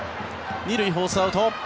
２塁、フォースアウト。